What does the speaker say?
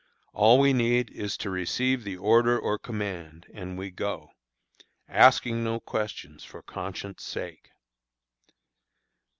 All we need is to receive the order or command, and we go, "asking no question for conscience' sake."